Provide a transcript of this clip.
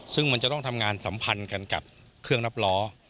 ซึ่งมันจะต้องทำงานสัมพันธ์กันกับเครื่องนับล้อ